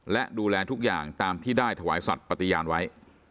และดูแลทุกอย่างตามที่ได้ถวายสัตว์ปฏิญาณไว้